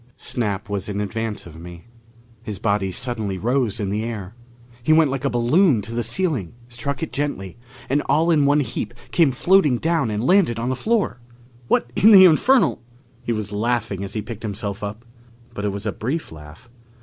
Snap was in advance of me. His body suddenly rose in the air. He went like a balloon to the ceiling, struck it gently, and all in a heap came floating down and landed on the floor! "What in the infernal " He was laughing as he picked himself up. But it was a brief laugh.